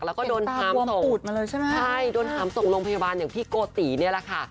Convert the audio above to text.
แล้วก็โดนถามส่งใช่โดนถามส่งโรงพยาบาลอย่างพี่โกตินี่แหละค่ะ